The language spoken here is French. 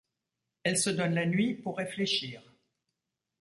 Elle se donne la nuit pour réfléchir.